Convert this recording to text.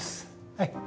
はい。